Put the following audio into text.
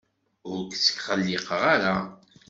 Ur k-ttqelliqeɣ ara.